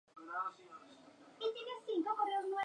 Los resultados del conflicto decidieron su suerte.